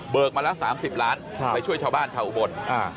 มาละ๓๐ล้านไปช่วยชาวบ้านชาวอุบล